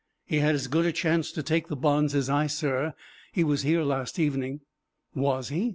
"He had as good a chance to take the bonds as I, sir. He was here last evening." "Was he?"